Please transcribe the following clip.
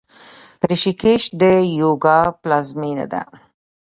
ریشیکیش د یوګا پلازمینه ده.